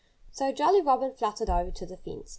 So Jolly Robin fluttered over to the fence.